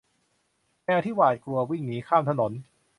แมวที่หวาดกลัววิ่งหนีข้ามถนน